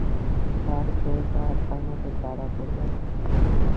তার চোখ আর আমাকে তাড়া করবে না।